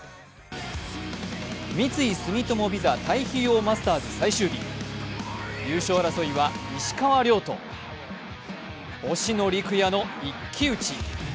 三井住友ＶＩＳＡ太平洋マスターズ最終日、優勝争いは石川遼と星野陸也の一騎打ち。